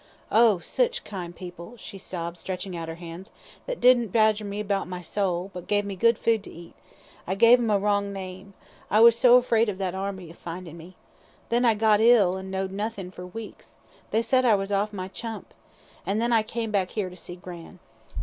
Oh, sich kind people," she sobbed, stretching out her hands, "that didn't badger me 'bout my soul, but gave me good food to eat. I gave 'em a wrong name. I was so 'fraid of that Army a findin' me. Then I got ill, an' knowd nothin' for weeks. They said I was orf my chump. An' then I came back 'ere to see gran'."